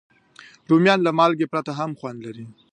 رومیان له مالګې پرته هم خوند لري